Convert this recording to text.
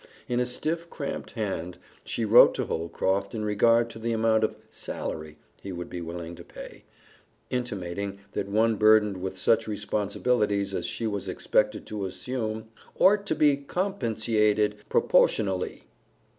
In a stiff, cramped hand, she wrote to Holcroft in regard to the amount of "salary" he would be willing to pay, intimating that one burdened with such responsibilities as she was expected to assume "ort to be compensiated proposhundly."